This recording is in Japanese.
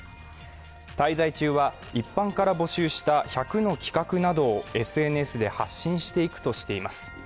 滞在中は一般から募集した１００の企画などをＳＮＳで発信していくとしています。